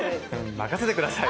任せて下さい！